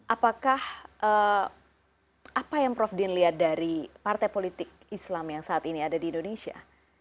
apakah apa yang prof din lihat dari partai politik islam yang saat ini ada di indonesia